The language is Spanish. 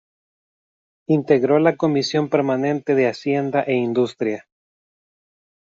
Integró la Comisión Permanente de Hacienda e Industria.